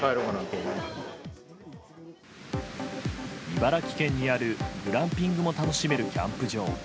茨城県にあるグランピングも楽しめるキャンプ場。